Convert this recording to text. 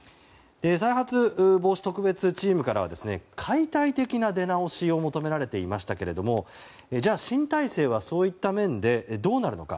再発防止特別チームからは解体的な出直しを求められていましたがじゃあ、新体制はそういった面でどうなるのか。